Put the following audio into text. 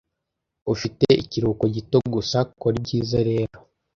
Ufite ikiruhuko gito gusa, kora ibyiza rero.